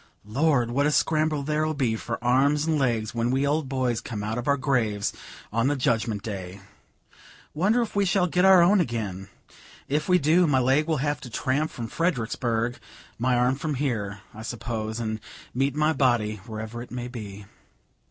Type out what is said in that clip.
Lord! what a scramble there'll be for arms and legs, when we old boys come out of our graves, on the Judgment Day: wonder if we shall get our own again? If we do, my leg will have to tramp from Fredericksburg, my arm from here, I suppose, and meet my body, wherever it may be."